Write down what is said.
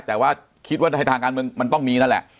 แต่ว่าคิดว่าโดษภาคารมึงมันต้องมีนั่นแหละ